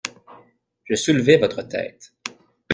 Je soulevais votre tête.